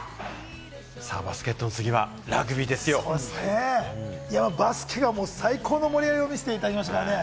バスケットの次はラグビーでバスケがもう最高の盛り上がりを見せていただきましたから。